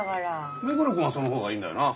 目黒くんはそのほうがいいんだよな？